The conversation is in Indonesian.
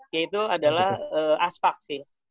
yaitu adalah aspak sih